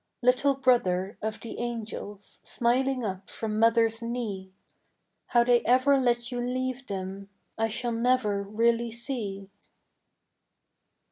Little brother of the angels, Smiling up from mother's knee, How they ever let you leave them I shall never really see.